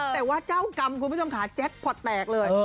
แต่ว่าเจ้ากรรมคุณผู้ชมค่ะแจ็คพอร์ตแตกเลย